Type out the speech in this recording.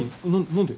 何で？